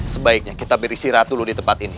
sebaiknya kita berisi ratu dulu di tempat ini